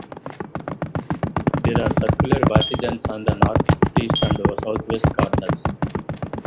There are circular bartizans on the northeast and southwest corners.